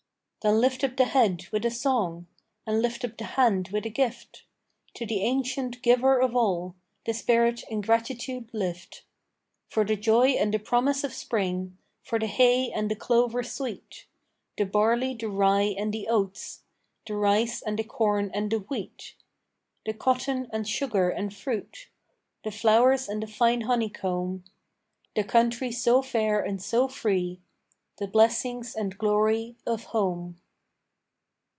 "Then lift up the head with a song! And lift up the hand with a gift! To the ancient Giver of all The spirit in gratitude lift! For the joy and the promise of spring, For the hay and the clover sweet, The barley, the rye, and the oats, The rice, and the corn, and the wheat, The cotton, and sugar, and fruit, The flowers and the fine honeycomb, The country so fair and so free, The blessings and glory of home."